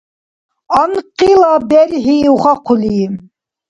Анкъилаб берхӏи ухахъули